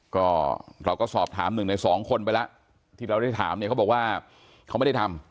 ก็เราก็สอบถามหนึ่งในสองคนไปแล้วที่เราได้ถามเนี่ยเขาบอกว่าเขาไม่ได้ทำ